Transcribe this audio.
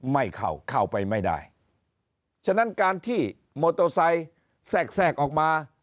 ไม่เข้าเข้าไปไม่ได้ฉะนั้นการที่มอเตอร์ไซค์แทรกแทรกออกมา